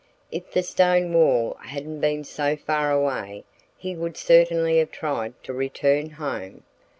If the stone wall hadn't been so far away he would certainly have tried to return home.